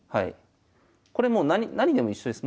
これもうなにでも一緒です。